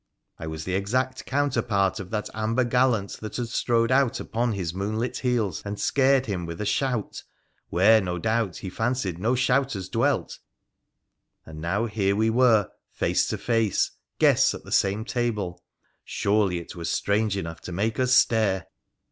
I was the exact counterpart of that amber gallant that had strode out upon his moonlit heels and scared him with a shout, where, no doubt, he fancied no shouters dwelt, and now here we were face to face, guests at the same table, surely it was strange enough to make us stare